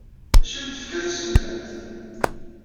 D acu ay am-d-tefka tselmadt?